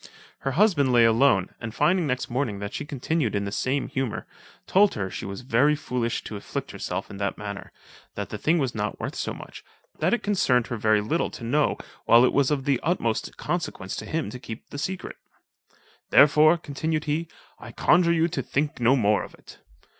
Her husband lay alone, and finding next morning that she continued in the same humour, told her, she was very foolish to afflict herself in that manner; that the thing was not worth so much; that it concerned her very little to know while it was of the utmost consequence to him to keep the secret: "therefore," continued he, "I conjure you to think no more of it."